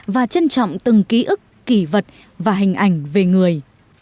và trân trọng từng ký ức kỷ vật và hình ảnh về người